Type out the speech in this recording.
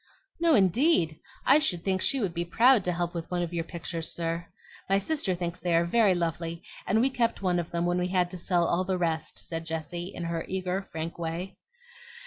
"No, indeed; I should think she would be proud to help with one of your pictures, sir. My sister thinks they are very lovely; and we kept one of them when we had to sell all the rest," said Jessie, in her eager, frank way.